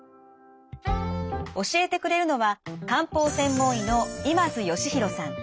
教えてくれるのは漢方専門医の今津嘉宏さん。